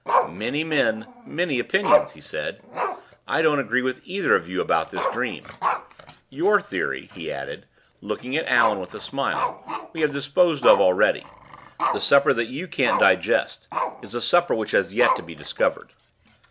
"Many men, many opinions," he said. "I don't agree with either of you about this dream. Your theory," he added, looking at Allan, with a smile, "we have disposed of already: the supper that you can't digest is a supper which has yet to be discovered.